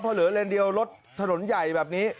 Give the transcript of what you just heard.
เพราะเหลือเลนเดียวรถถนนใหญ่แบบนี้